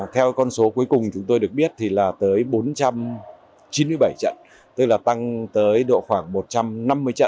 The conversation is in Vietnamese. theo con số cuối cùng chúng tôi được biết thì là tới bốn trăm chín mươi bảy trận tức là tăng tới độ khoảng một trăm năm mươi trận